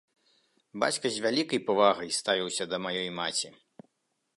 Бацька з вялікай павагай ставіўся да маёй маці.